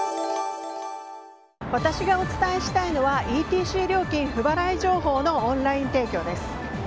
私がお伝えしたいのはＥＴＣ料金不払い情報のオンライン提供です。